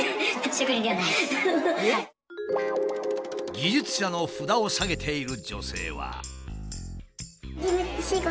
「技術者」の札をさげている女性は。